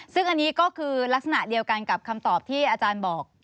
ซึ่งอันนี้ก็คือลักษณะเดียวกันกับคำตอบที่อาจารย์บอก